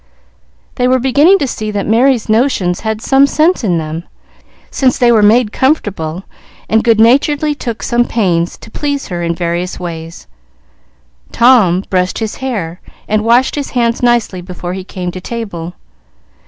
They were beginning to see that "Merry's notions" had some sense in them, since they were made comfortable, and good naturedly took some pains to please her in various ways. Tom brushed his hair and washed his hands nicely before he came to table.